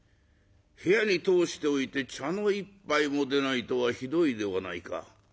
部屋に通しておいて茶の一杯も出ないとはひどいではないか。